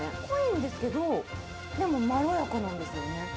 濃いんですけど、でもまろやかなんですよね。